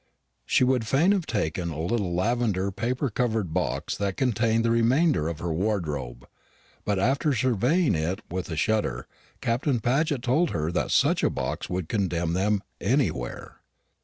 She would fain have taken a little lavender paper covered box that contained the remainder of her wardrobe, but after surveying it with a shudder, Captain Paget told her that such a box would condemn them anywhere.